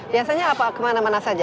biasanya kemana mana saja